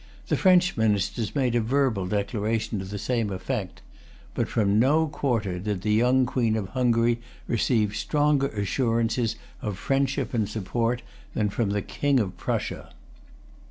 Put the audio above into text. The French ministers made a verbal declaration to the same effect. But from no quarter did the young Queen of Hungary receive stronger assurances of friendship and support than from the King of Prussia.